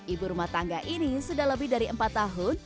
ibu rumah tangga ini sudah lebih dari empat tahun